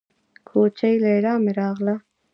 کوچۍ ليلا مې راغله.